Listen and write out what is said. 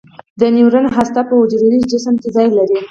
د نیورون هسته په حجروي جسم کې ځای لري.